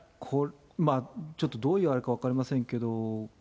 まあちょっと、どういうあれか分かりませんけど。